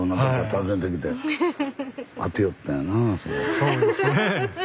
そうですね。